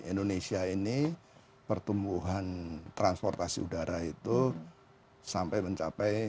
indonesia ini pertumbuhan transportasi udara itu sampai mencapai